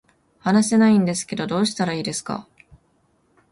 話せないんですけどどうしたらいいですか